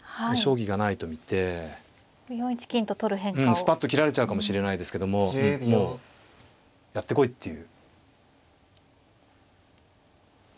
スパッと切られちゃうかもしれないですけどももうやってこいっていう。